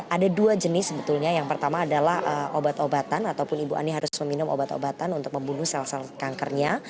ada dua jenis sebetulnya yang pertama adalah obat obatan ataupun ibu ani harus meminum obat obatan untuk membunuh sel sel kankernya